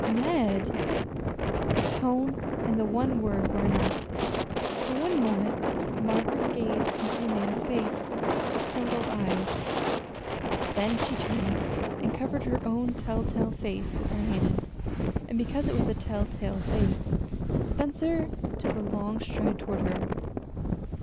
"Ned!" The tone and the one word were enough. For one moment Margaret gazed into the man's face with startled eyes; then she turned and covered her own telltale face with her hands and because it was a telltale face, Spencer took a long stride toward her.